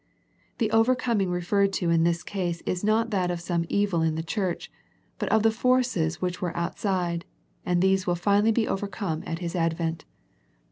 The overcoming referred to in this case is not that of some evil in the church, but of the forces which are out side, and these will be finally overcome at His advent.